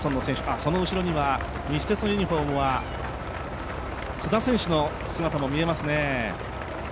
その後ろには西鉄のユニフォームは津田選手の姿も見えますね。